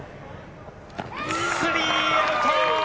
スリーアウト！